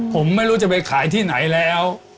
ผมไม่รู้จะไปขายที่ไหนแล้ว